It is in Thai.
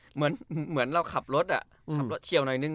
เหมือนเราขับรถเชี่ยวหน่อยหนึ่ง